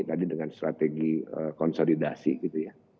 tadi dengan strategi konsolidasi gitu ya